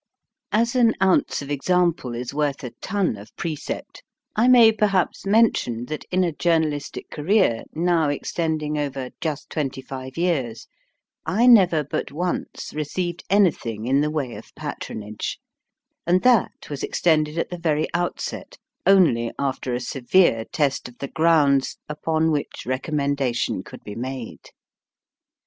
As an ounce of example is worth a ton of precept, I may perhaps mention that in a journalistic career now extending over just twenty five years, I never but once received anything in the way of patronage, and that was extended at the very outset only after a severe test of the grounds upon which recommendation could be made.